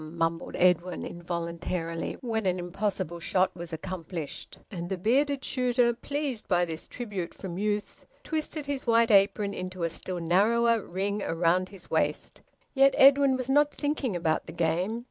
mumbled Edwin involuntarily, when an impossible shot was accomplished; and the bearded shooter, pleased by this tribute from youth, twisted his white apron into a still narrower ring round his waist. Yet Edwin was not thinking about the game.